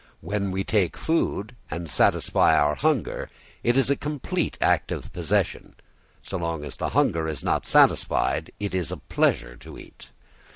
When we take food and satisfy our hunger it is a complete act of possession. So long as the hunger is not satisfied it is a pleasure to eat.